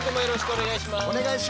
お願いします。